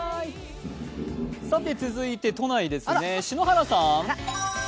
続いて都内ですね、篠原さん。